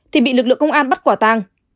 thì bị lực lượng công an bắt quả tang